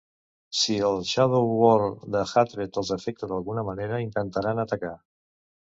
Si el Shadowlord de Hatred els afecta d'alguna manera, intentaran atacar.